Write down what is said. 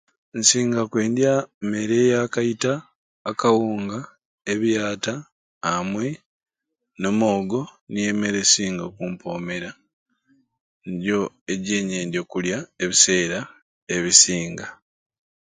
Nsinga kwendya mmere ya kaita akawunga ebiyata amwei n'omwogo niyo mmere esinga okumpomera nigyo gyenyendya okulya ebiseera ebisinga